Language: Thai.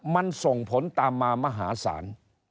มันส่งผลตามมามหาศาล